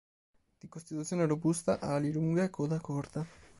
Di costituzione robusta, ha ali lunghe e coda corta.